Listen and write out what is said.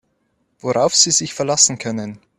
Worauf Sie sich verlassen können.